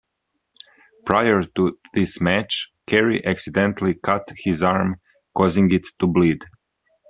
Prior to this match, Kerry accidentally cut his arm causing it to bleed.